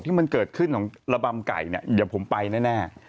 ที่มันเกิดขึ้นของระบำไก่เนี่ยเดี๋ยวผมไปแน่